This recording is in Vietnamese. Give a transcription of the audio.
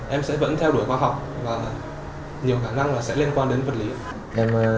em sẽ vẫn theo đuổi khoa học và nhiều khả năng sẽ liên quan đến vật lý